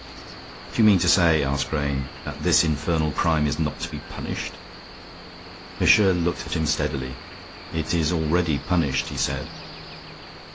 "Do you mean to say," asked Grayne, "that this infernal crime is not to be punished?" Fisher looked at him steadily. "It is already punished," he said.